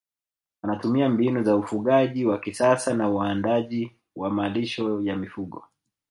wanatumia mbinu za ufugaji wa kisasa na uandaaji wa malisho ya mifugo